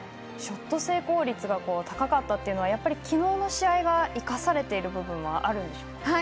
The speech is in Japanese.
ショット成功率が高かったのはやっぱり昨日の試合が生かされている部分もあるんでしょうか。